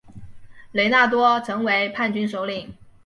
雷纳多成为叛军首领。